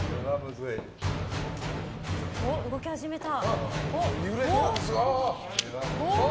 動き始めた。